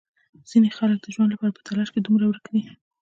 ځینې خلک د ژوند لپاره په تلاش کې دومره ورک دي.